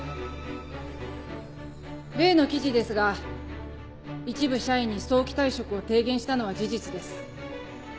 例の記事ですが一部社員に早期退職を提言したのは事実です。